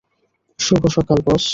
শুভ সকাল, বস!